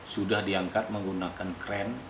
sudah diangkat menggunakan krim